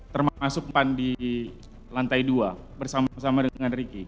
termasuk tempat di lantai dua bersama sama dengan riki